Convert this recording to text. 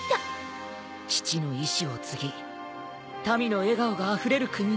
父の遺志を継ぎ民の笑顔があふれる国に必ず。